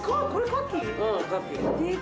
カキ。